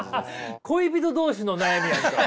恋人同士の悩みやんか。